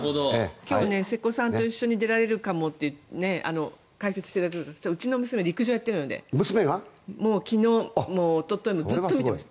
今日、瀬古さんと一緒に出られるかもって解説していた時にうちの娘は陸上をやってるので昨日もおとといもずっと見ていました。